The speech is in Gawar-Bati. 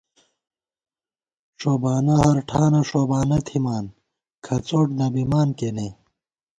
ݭوبانہ ہر ٹھانہ ݭوبانہ تھِمان کھَڅوٹ نہ بِمان کېنے